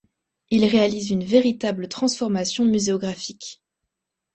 Il réalise une véritable transformation muséographique.